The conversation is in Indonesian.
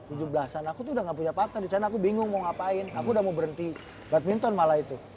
u tujuh belas an aku tuh udah gak punya fakta di sana aku bingung mau ngapain aku udah mau berhenti badminton malah itu